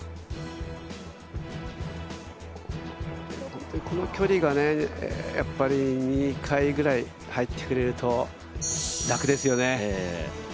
本当にこの距離がね、２回ぐらい入ってくれると楽ですよね。